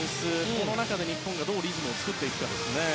この中で日本がどうリズムを作るかですね。